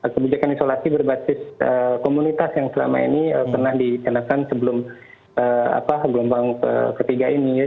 kebijakan isolasi berbasis komunitas yang selama ini pernah dicanakan sebelum gelombang ketiga ini ya